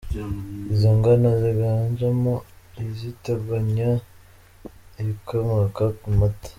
Izo ngana ziganjemo izitunganya ibikomoka ku mata.